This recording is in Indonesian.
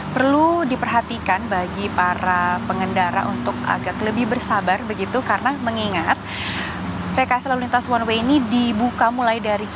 perlu diperhatikan bagi para pengendara untuk agak lebih bersabar begitu karena mengingat rekasi lalu lintas one way ini dibuka mulai dari